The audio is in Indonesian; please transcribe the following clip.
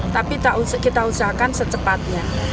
tapi kita usahakan secepatnya